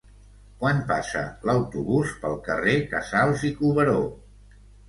Quan passa l'autobús pel carrer Casals i Cuberó?